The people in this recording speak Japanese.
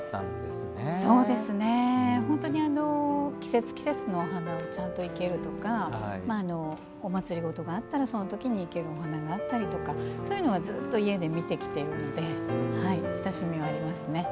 本当に季節季節のお花をちゃんと生けるとかお祭りごとがあったらその時に、生けるお花があったりずっと家で見てきているので親しみはありますね。